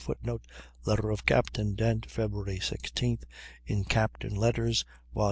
[Footnote: Letter of Captain Dent, Feb. 16th (in "Captains' Letters," vol.